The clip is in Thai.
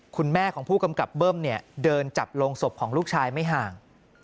คุณแม่ของผู้กำกับเบิ้มเนี่ยเดินจับโรงศพของลูกชายไม่ห่าง